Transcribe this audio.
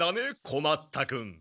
こまった君。